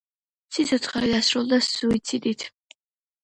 სიცოცხლე დაასრულა სუიციდით.